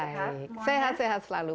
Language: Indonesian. baik sehat sehat selalu